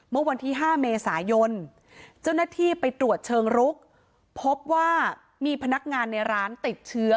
เมื่อวันที่๕เมษายนเจ้าหน้าที่ไปตรวจเชิงรุกพบว่ามีพนักงานในร้านติดเชื้อ